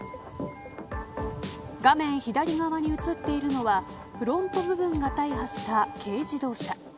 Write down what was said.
画面左側に映っているのはフロント部分が大破した軽自動車。